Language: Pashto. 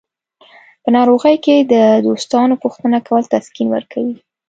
په ناروغۍ کې د دوستانو پوښتنه کول تسکین ورکوي.